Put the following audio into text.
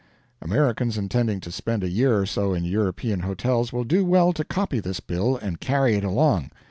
Americans intending to spend a year or so in European hotels will do well to copy this bill and carry it along.